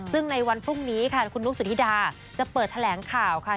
ซึ่งในวันพรุ่งนี้ค่ะคุณนุกสุธิดาจะเปิดแถลงข่าวค่ะ